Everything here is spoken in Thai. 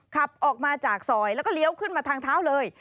ขับออกมาจากซอยแล้วก็เลี้ยวขึ้นมาทางเท้าเลย